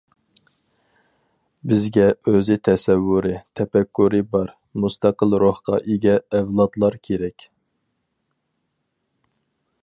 بىزگە ئۆز تەسەۋۋۇرى، تەپەككۇرى بار، مۇستەقىل روھقا ئىگە ئەۋلادلار كېرەك.